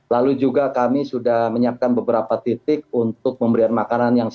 lalu juga kami sudah menyampaikan